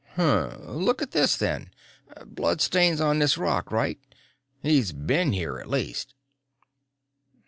"Hm? Look at this, then. Bloodstains on this rock, right? He's been here, at least."